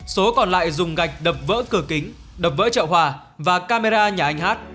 số còn lại dùng gạch đập vỡ cửa kính đập vỡ trợ hòa và camera nhà anh h